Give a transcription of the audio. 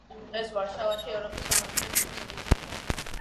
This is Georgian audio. დღეს ვარშავაში ევროპის საფეხბურთო ჩემპიონატი იწყება.